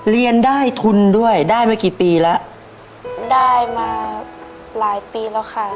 เรียนได้ทุนด้วยได้มากี่ปีแล้วได้มาหลายปีแล้วค่ะ